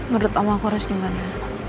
menurut om aku harus gimana